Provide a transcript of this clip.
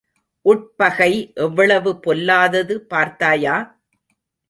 உட்பகை எவ்வளவு பொல்லாதது பார்த்தாயா?